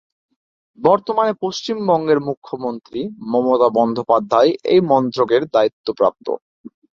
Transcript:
বর্তমানে পশ্চিমবঙ্গের মুখ্যমন্ত্রী মমতা বন্দ্যোপাধ্যায় এই মন্ত্রকের দায়িত্বপ্রাপ্ত।